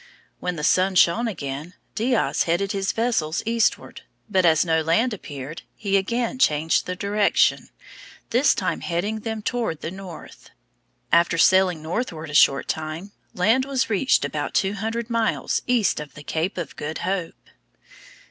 When the sun shone again, Diaz headed his vessels eastward, but as no land appeared, he again changed the direction, this time heading them toward the north. After sailing northward a short time, land was reached about two hundred miles east of the Cape of Good Hope.